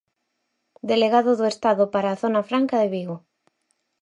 Delegado do Estado para a Zona Franca de Vigo.